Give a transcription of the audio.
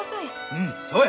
うんそうや。